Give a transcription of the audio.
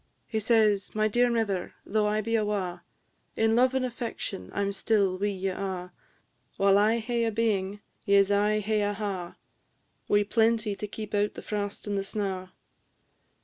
He says, "My dear mither, though I be awa', In love and affection I 'm still wi' ye a'; While I hae a being ye 'se aye hae a ha', Wi' plenty to keep out the frost and the snaw."